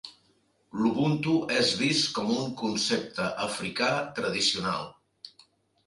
L'Ubuntu és vist com un concepte africà tradicional